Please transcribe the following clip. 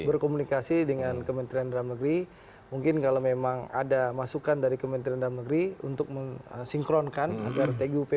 berkomunikasi dengan kementerian dalam negeri mungkin kalau memang ada masukan dari kementerian dalam negeri untuk mensinkronkan agar tgup